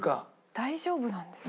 大丈夫なんですか？